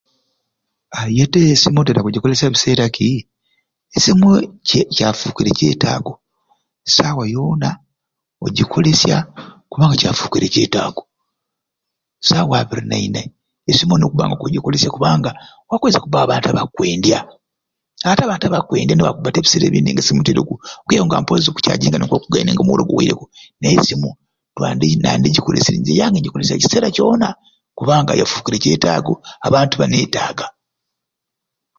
Haa yete esimu oyina gyikolesya biseera ki esimu kyafukire kyetaago esimu easswa yona ogyikolesya kubanga kyafukire kyetaago saawa abiri naine esimu olina okuba nga okugikolesya kubanga wakwiza kubaawo abantu abakwendya ate abantu abakwendya nebakuba nga te ebiseera ebindi nga teriku okwiyaku oku charging nga niko kugaine nga omuro guwereku naye esimu twandi twadigikolesyerye ekiseera gyona kubanga yafukire kyetaago abantu babetaaga